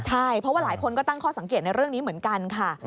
ใช่เพราะว่าหลายคนก็ตั้งข้อสังเกตในเรื่องนี้เหมือนกันค่ะ